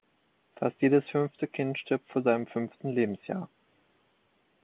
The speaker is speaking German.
Fast jedes fünfte Kind stirbt vor seinem fünften Lebensjahr.